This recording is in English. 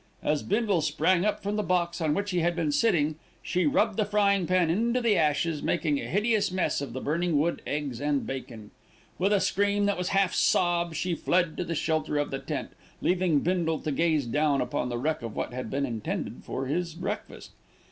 As Bindle sprang up from the box on which he had been sitting, she rubbed the frying pan into the ashes, making a hideous mess of the burning wood, eggs and bacon. With a scream that was half a sob, she fled to the shelter of the tent, leaving Bindle to gaze down upon the wreck of what had been intended for his breakfast.